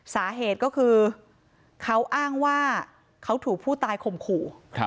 สาเหตุก็คือเขาอ้างว่าเขาถูกผู้ตายข่มขู่